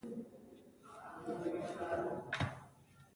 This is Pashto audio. نو د جنسي عضو د عصبونو حساسيت هم کم شي